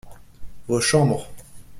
Vos chambres.